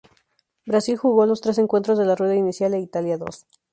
Brasil jugó los tres encuentros de la rueda inicial e Italia dos.